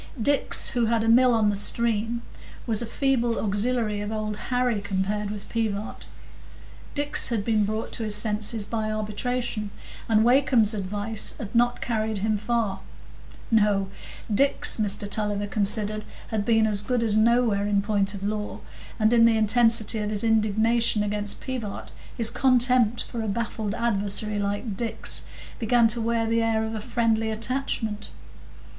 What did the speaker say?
Dix, who had a mill on the stream, was a feeble auxiliary of Old Harry compared with Pivart. Dix had been brought to his senses by arbitration, and Wakem's advice had not carried him far. No; Dix, Mr Tulliver considered, had been as good as nowhere in point of law; and in the intensity of his indignation against Pivart, his contempt for a baffled adversary like Dix began to wear the air of a friendly attachment.